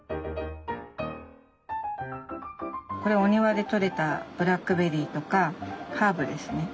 これお庭でとれたブラックベリーとかハーブですね。